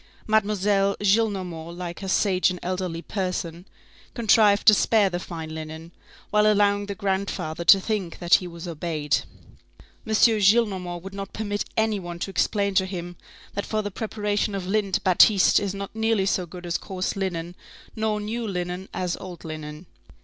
Mademoiselle Gillenormand, like a sage and elderly person, contrived to spare the fine linen, while allowing the grandfather to think that he was obeyed. M. Gillenormand would not permit any one to explain to him, that for the preparation of lint batiste is not nearly so good as coarse linen, nor new linen as old linen.